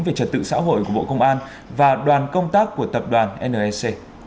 về trật tự xã hội của bộ công an và đoàn công tác của tập đoàn nec